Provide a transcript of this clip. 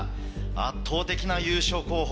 圧倒的な優勝候補